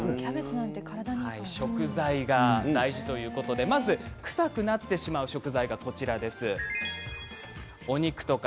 食材が大事ということで臭くなってしまう食材がこちらです。